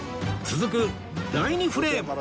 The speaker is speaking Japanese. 続く第２フレーム